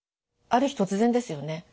ある日突然ですよね